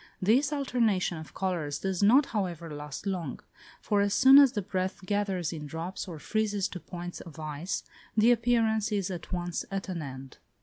This alternation of colours does not, however, last long; for as soon as the breath gathers in drops, or freezes to points of ice, the appearance is at once at an end.